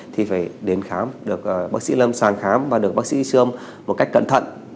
thì phải đến khám được bác sĩ lâm sàng khám và được bác sĩ xương một cách cẩn thận